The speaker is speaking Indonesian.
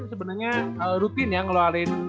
sebenernya rutin ya ngeluarin